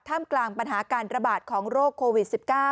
กลางปัญหาการระบาดของโรคโควิด๑๙